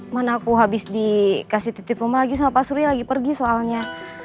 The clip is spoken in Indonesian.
mana aku habis dikasih titip rumah lagi sama pak surya lagi pergi soalnya